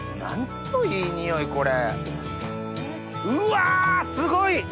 うわすごい！